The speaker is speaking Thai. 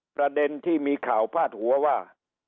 ประเด็นที่มีข่าวพาดหัวว่า